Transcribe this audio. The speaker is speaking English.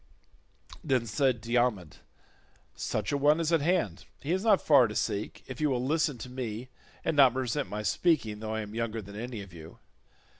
Then said Diomed, "Such an one is at hand; he is not far to seek, if you will listen to me and not resent my speaking though I am younger than any of you.